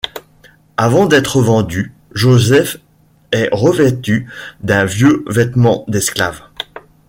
Avant d'être vendu, Joseph est revêtu d'un vieux vêtement d'esclave.